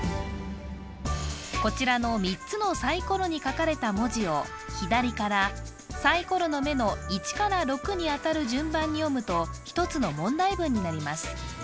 こちらの３つのサイコロに書かれた文字を左からサイコロの目の１から６にあたる順番に読むと１つの問題文になります